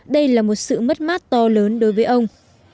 đây là một sự mất mát to lớn đối với ông